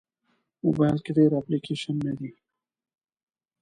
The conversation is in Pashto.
موبایل کې ډېر اپلیکیشنونه وي.